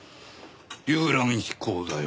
遊覧飛行だよ。